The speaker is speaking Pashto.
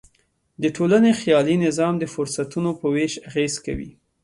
د ټولنې خیالي نظام د فرصتونو په وېش اغېز کوي.